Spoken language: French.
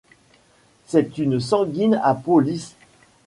C'est une sanguine à peau lisse.